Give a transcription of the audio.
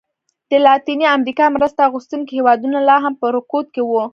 د لاتینې امریکا مرسته اخیستونکي هېوادونه لا هم په رکود کې وو.